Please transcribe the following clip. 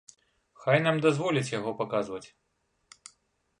Хай нам дазволяць яго паказваць.